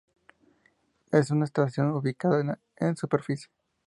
Es una estación ubicada en superficie.